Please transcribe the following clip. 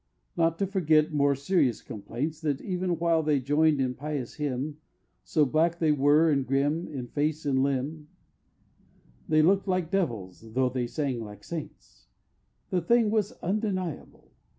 Not to forget more serious complaints That even while they join'd in pious hymn, So black they were and grim, In face and limb, They look'd like Devils, tho' they sang like Saints! The thing was undeniable!